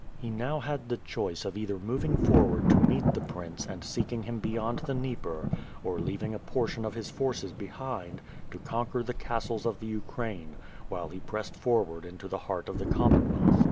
He now had the choice of either moving forward to meet the prince and seeking him beyond the Dnieper or leaving a portion of his forces behind, to conquer the castles of the Ukraine; while he pressed forward into the heart of the Com monwealth.